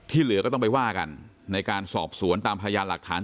เหลือก็ต้องไปว่ากันในการสอบสวนตามพยานหลักฐาน